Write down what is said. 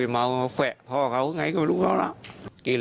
อืมก็จริงแต่เป๊กของเป๊ก